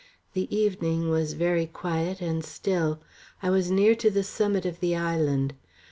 The evening was very quiet and still. I was near to the summit of the island.